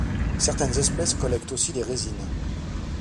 Certaines espèces collectent aussi des résines.